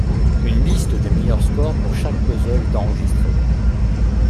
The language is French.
Une liste des meilleurs scores pour chaque puzzle est enregistrée.